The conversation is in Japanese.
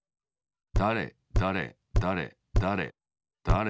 だれだれだれだれだれ